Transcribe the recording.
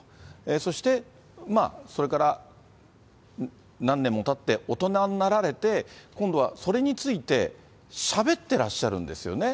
そしてまあ、それから何年もたって、大人になられて、今度はそれについてしゃべってらっしゃるんですよね。